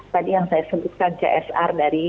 tadi yang saya sebutkan csr dari